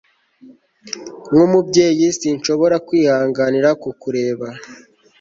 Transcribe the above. nkumubyeyi, sinshobora kwihanganira kukureba